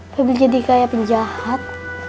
febri jadi kayak penjahat